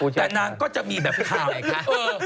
แต่นางก็จะมีแบบพืชค่าใหญ่นะครับ